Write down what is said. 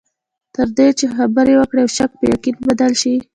تر دې چې خبرې وکړې او د شک په یقین بدل شي.